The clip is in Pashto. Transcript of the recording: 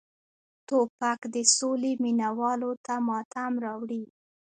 توپک د سولې مینه والو ته ماتم راوړي.